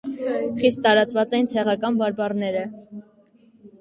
Խիստ տարածված էին ցեղական բարբառները։